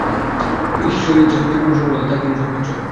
ঈশ্বরে ইচ্ছাশক্তির পূর্ণ সফলতা, তাই তিনি সর্বোচ্চ।